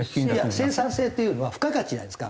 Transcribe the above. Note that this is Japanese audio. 生産性っていうのは付加価値じゃないですか。